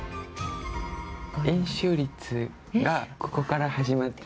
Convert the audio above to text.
円周率がここから始まって。